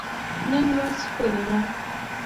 نن ورځ ښکلي ده.